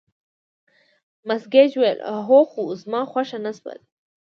مس ګېج وویل: هو، خو زما خوښه نه شول.